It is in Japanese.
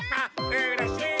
うれしい！